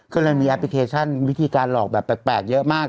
ก็เลยมีแอปพลิเคชันวิธีการหลอกแบบแปลกเยอะมาก